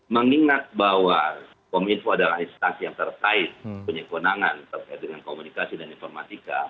mengingat bahwa kominfo adalah instansi yang terkait punya kewenangan terkait dengan komunikasi dan informatika